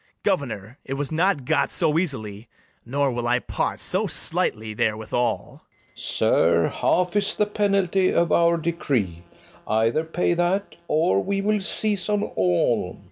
Governor, it was not got so easily; Nor will I part so slightly therewithal. FERNEZE. Sir, half is the penalty of our decree; Either pay that, or we will seize on all.